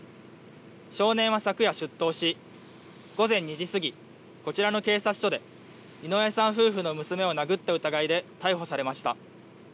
少年は昨夜出頭し、午前２時過ぎ、こちらの警察署で井上さん夫婦の娘を殴った疑いで逮捕されました。